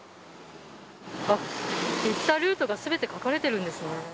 あっ、行ったルートがすべて、書かれてるんですね。